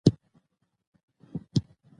وګړي د افغانستان د پوهنې نصاب کې شامل دي.